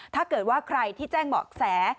ถ้าเกิดว่าใครที่แจ้งเบาะแส